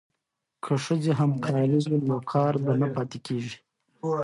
که ښځې همکارې وي نو کار به نه پاتې کیږي.